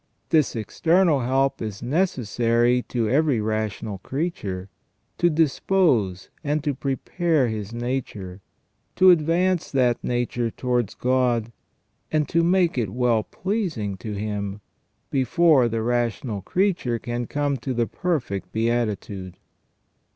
This external help is necessary to every rational creature, to dispose and to prepare his nature, to advance that nature towards God, and to make it well pleasing to Him, before the rational creature can come to the perfect beatitude.